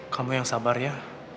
kamu yang sabar ya